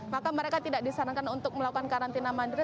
maka mereka tidak disarankan untuk melakukan karantina mandiri